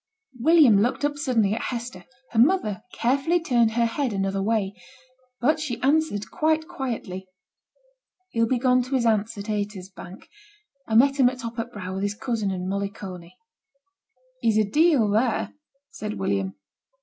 William looked up suddenly at Hester; her mother carefully turned her head another way. But she answered quite quietly 'He'll be gone to his aunt's at Haytersbank. I met him at t' top o' t' Brow, with his cousin and Molly Corney.' 'He's a deal there,' said William.